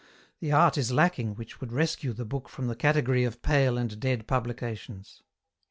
The art is lacking which would rescue the book from the category of pale and dead publications.